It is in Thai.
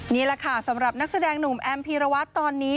นี่แหละค่ะสำหรับนักแสดงหนุ่มแอมพีรวัตรตอนนี้